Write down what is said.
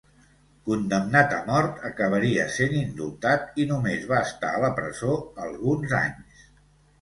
Condemnat a mort, acabaria sent indultat i només va estar a la presó alguns anys.